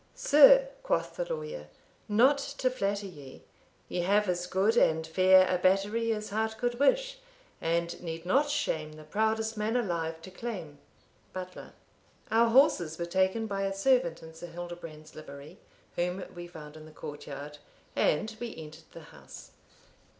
"Sir," quoth the Lawyer, "not to flatter ye, You have as good and fair a battery As heart could wish, and need not shame The proudest man alive to claim." Butler. Our horses were taken by a servant in Sir Hildebrand's livery, whom we found in the court yard, and we entered the house.